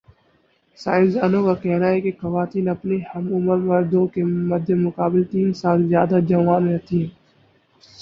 science دانوں کا کہنا ہے کہ خواتین اپنے ہم عمر مردوں کے مدمقابل تین سال زیادہ جوان رہتی ہے